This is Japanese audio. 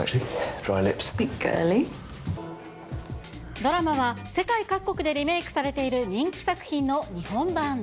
ドラマは世界各国でリメイクされている人気作品の日本版。